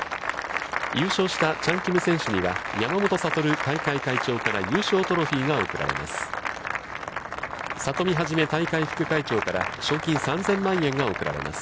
優勝したチャン・キム選手には山本悟大会会長から優勝トロフィーが贈られます。